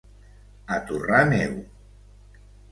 A torrar neu!